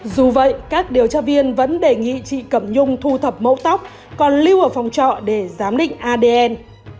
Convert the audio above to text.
dù vậy các điều tra viên vẫn đề nghị chị cẩm nhung thu thập mẫu tóc còn lưu ở phòng trọ để giám định adn